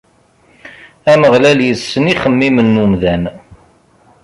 Ameɣlal issen ixemmimen n umdan.